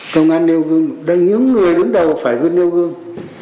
công an nêu gương những người đứng đầu phải vươn nêu gương